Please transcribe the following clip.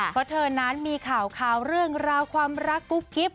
เพราะเธอนั้นมีข่าวข่าวเรื่องหลาวความรักกู้กิฟท์